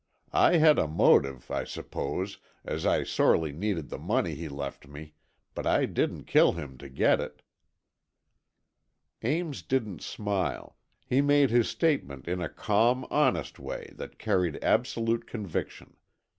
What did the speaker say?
I had a motive, I suppose, as I sorely needed the money he left me, but I didn't kill him to get it." Ames didn't smile, he made his statement in a calm, honest way that carried absolute conviction.